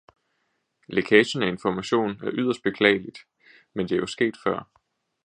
Lækagen af information er yderst beklageligt, men det er jo sket før.